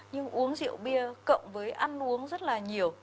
nhưng uống rượu bia cộng với ăn uống rất là nhiều